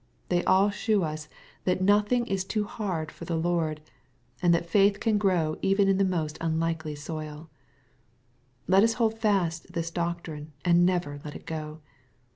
They all shew us that "nothing is too hard for the Lord," and that faith can grow even in th^ most unlikely soili Let us hold fast this doctrine, and never let it go.